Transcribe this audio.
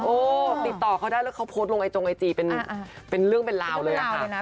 ติดต่อเขาได้แล้วเขาโพสต์ลงไอจงไอจีเป็นเรื่องเป็นราวเลยอะค่ะ